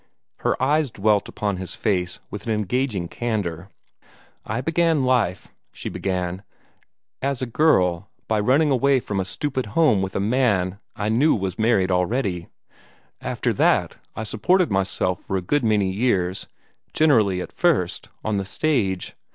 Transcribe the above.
Her eyes dwelt upon his face with an engaging candor. "I began life," she said, "as a girl by running away from a stupid home with a man that I knew was married already. After that, I supported myself for a good many years generally, at first, on the stage.